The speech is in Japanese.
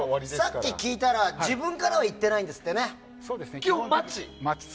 さっき聞いたら自分からはいってないんですってね。